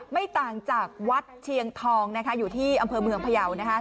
ไม่ต่างจากวัดเชียงทองนะคะอยู่ที่อำเภอเมืองพยาวนะคะ